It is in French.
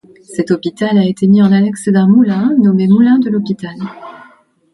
Cet hôpital a été mis en annexe d'un moulin, nommé Moulin de l'hôpital.